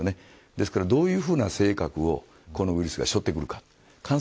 ですから、どういうふうな性格をこのウイルスがしょってくるか。